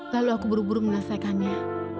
lalu aku buru buru menyelesaikannya